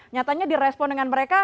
nyatanya direspon dengan mereka